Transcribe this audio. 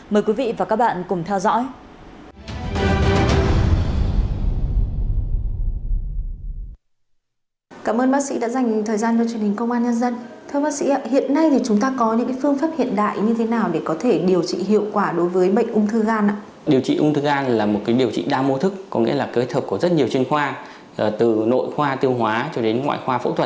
mời quý vị và các bạn cùng theo dõi